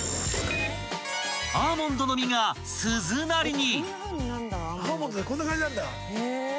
［アーモンドの実が鈴なりに］